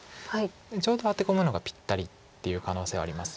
ちょうどアテ込むのがぴったりっていう可能性はあります。